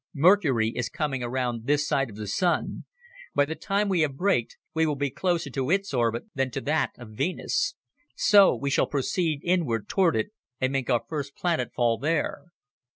"Mercury is coming around this side of the Sun. By the time we have braked, we will be closer to its orbit than to that of Venus. So we shall proceed inward toward it and make our first planetfall there."